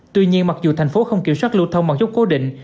tuy nhiên mặc dù thành phố không kiểm soát lưu thông bằng chốt cố định